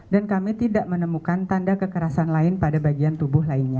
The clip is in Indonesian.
dan kami tidak menemukan tanda kekerasan lain pada bagian tubuh lainnya